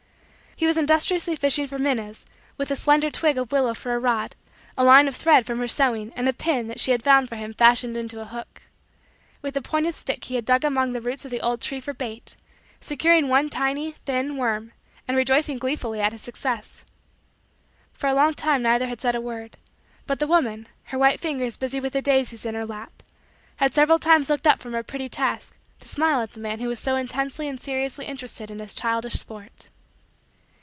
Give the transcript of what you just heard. He was industriously fishing for minnows, with a slender twig of willow for a rod, a line of thread from her sewing, and a pin, that she had found for him, fashioned into a hook. With a pointed stick he had dug among the roots of the old tree for bait securing one, tiny, thin, worm and rejoicing gleefully at his success. For a long time neither had said a word; but the woman, her white fingers busy with the daisies in her lap, had several times looked up from her pretty task to smile at the man who was so intensely and seriously interested in his childish sport.